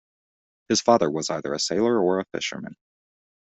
His father was either a sailor or a fisherman.